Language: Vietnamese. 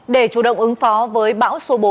để chủ động ứng phó với bão số bốn